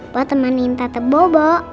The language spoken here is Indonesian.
buat temenin tante bobo